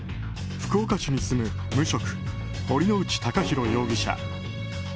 福岡市に住む無職・堀之内崇寛容疑者。